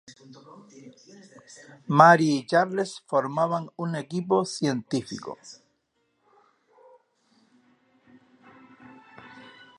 Mary y Charles formaban un equipo científico.